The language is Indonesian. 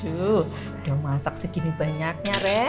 udah masak segini banyaknya ren